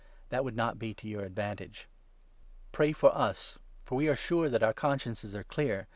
That would not be to your advantage. Pray for us, for we are sure that our consciences i!